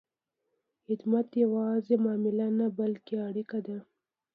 خدمت یوازې معامله نه، بلکې اړیکه ده.